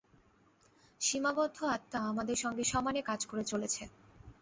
সীমাবদ্ধ আত্মা আমাদের সঙ্গে সমানে কাজ করে চলেছে।